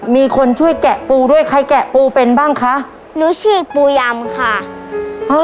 มีคนช่วยแกะปูด้วยใครแกะปูเป็นบ้างคะหนูชื่อปูยำค่ะอ๋อ